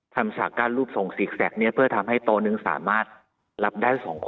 ฉากกั้นรูปทรงสิกแสกนี้เพื่อทำให้โตนึงสามารถรับได้๒คน